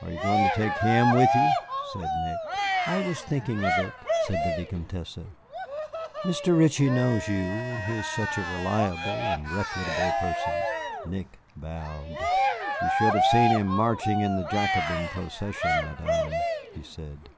"Are you going to take him with you?" said Nick. "I was thinking of it," said the Vicomtesse. "Mr. Ritchie knows you, and he is such a reliable and reputable person." Nick bowed. "You should have seen him marching in a Jacobin procession, Madame," he said.